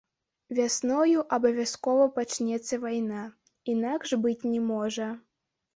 Вясною абавязкова пачнецца вайна, інакш быць не можа.